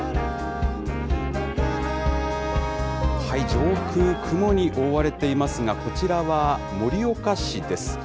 上空、雲に覆われていますが、こちらは盛岡市です。